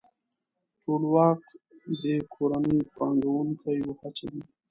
ټولواک دې کورني پانګوونکي وهڅوي.